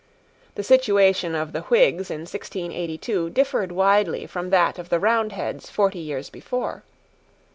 The situation of the Whigs in 1682 differed widely from that of the Roundheads forty years before.